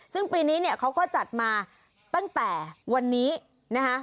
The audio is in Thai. ซึ่งปีนี้เนี่ยเขาก็จัดมาตั้งแต่วันนี้นะคะ